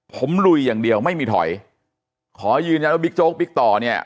ผมลุยอย่างเดียวไม่มีถอยขอยืนยันว่าบิ๊กโจ๊กบิ๊กต่อเนี่ย